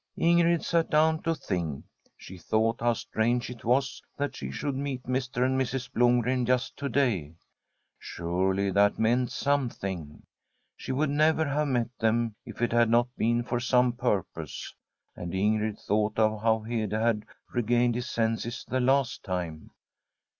Ingrid sat down to think. She thought how strange it was that she should meet Mr. and Mrs. Blomgren just to day. Surely that meant some thing. She would never have met them if it had not been for some purpose. And Ingrid thought of how Hede had regained his senses the last time.